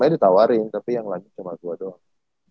saya ditawarin tapi yang lain cuma dua doang